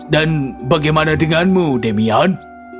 dan bagaimana denganmu demian